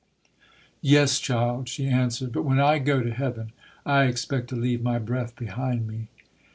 "Yes, child", she answered, "but when I go to heaven I expect to leave my breath behind me".